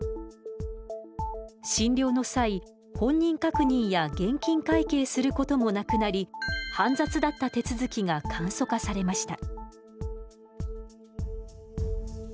診療の際本人確認や現金会計することもなくなり煩雑だった手続きが簡素化されました。